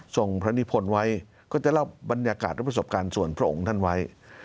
พระนิพนธ์ไว้ก็จะเล่าบรรยากาศและประสบการณ์ส่วนพระองค์ท่านไว้